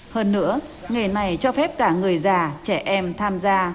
hơn nữa nghề này cho phép cả người già trẻ em tham gia